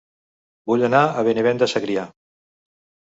Vull anar a Benavent de Segrià